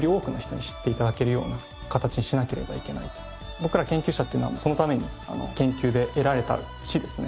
僕ら研究者っていうのはそのために研究で得られた「知」ですね。